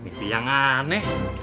mimpi yang aneh